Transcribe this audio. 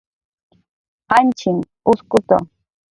janchinh uskutu